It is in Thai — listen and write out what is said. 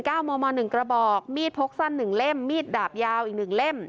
โมมอหนึ่งกระบอกมีดพกสั้นหนึ่งเล่มมีดดาบยาวอีกหนึ่งเล่ม